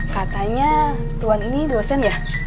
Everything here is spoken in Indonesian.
katanya tuhan ini dosen ya